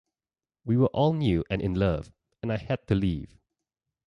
We were all new and in love, and I had to leave.